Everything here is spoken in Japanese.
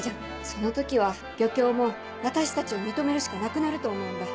その時は漁協も私たちを認めるしかなくなると思うんだ。